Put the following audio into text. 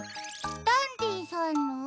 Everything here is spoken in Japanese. ダンディさんの？